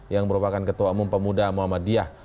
yang merupakan ketua umum pemuda muhammadiyah